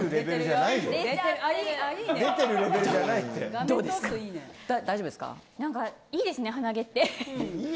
なんかいいですね鼻毛って。